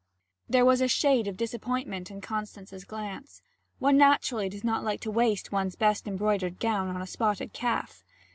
There was a shade of disappointment in Constance's glance. One naturally does not like to waste one's best embroidered gown on a spotted calf.